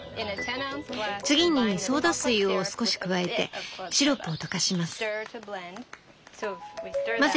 次にソーダ水を少し加えてシロップを溶かします」。